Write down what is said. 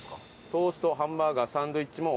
トーストハンバーガーサンドイッチもオーケー。